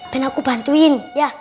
ben aku bantuin